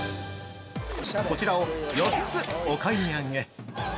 こちらを４つお買い上げ！